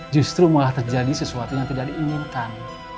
justru malah terjadi sesuatu yang tidak diinginkan